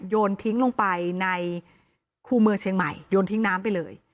โยนทิ้งลงไปในคู่เมืองเชียงใหม่โยนทิ้งน้ำไปเลย